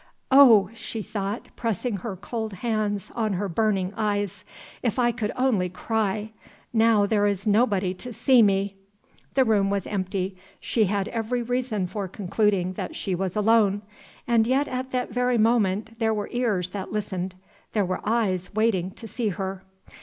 "Oh!" she thought, pressing her cold hands on her burning eyes, "if I could only cry, now there is nobody to see me!" The room was empty: she had every reason for concluding that she was alone. And yet at that very moment there were ears that listened there were eyes waiting to see her.